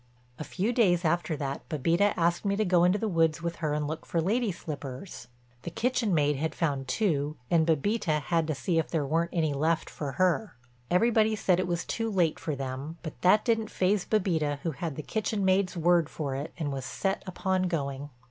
A few days after that Bébita asked me to go into the woods with her and look for lady slippers; the kitchen maid had found two and Bébita had to see if there weren't any left for her. Everybody said it was too late for them, but that didn't faze Bébita who had the kitchen maid's word for it and was set upon going.